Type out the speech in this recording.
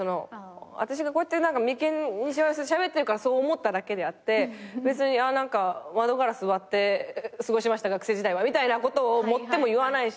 私がこうやって眉間にしわ寄せてしゃべってるからそう思っただけであって別に窓ガラス割って過ごしました学生時代はみたいなことを盛っても言わないし。